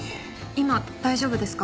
今大丈夫ですか？